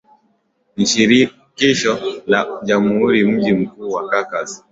ni shirikisho la jamhuri Mji mkuu ni Caracas